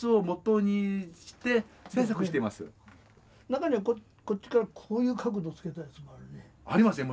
中にはこっちからこういう角度つけたやつもあるね。ありますよ。